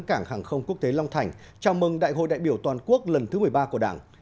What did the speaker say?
cảng hàng không quốc tế long thành chào mừng đại hội đại biểu toàn quốc lần thứ một mươi ba của đảng